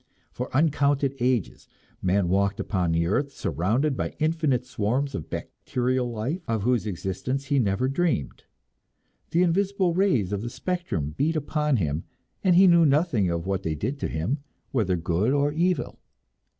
For uncounted ages man walked upon the earth, surrounded by infinite swarms of bacterial life of whose existence he never dreamed. The invisible rays of the spectrum beat upon him, and he knew nothing of what they did to him, whether good or evil.